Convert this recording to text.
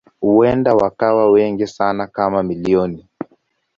Huenda wakawa wengi sana kama milioni.